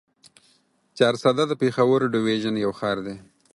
چارسده د پېښور ډويژن يو ښار دی.